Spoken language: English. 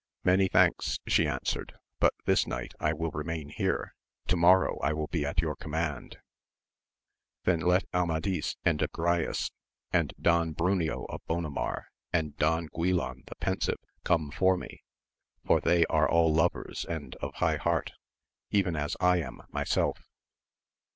Many thanks, she answered, but this night I will remain here, to morrow I will be at your command ; then let Amadis and Agrayes, and Don Bmneo of Bonamar, and Don Guilan the Pensive come for me, for they are all lovers and of high heart, even as I}^am myself.